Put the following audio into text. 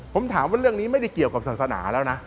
ผมถามว่าเรื่องนี้ไม่ได้เกี่ยวกับศาสนาแล้วนะ